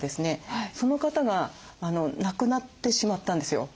その方が亡くなってしまったんですよ。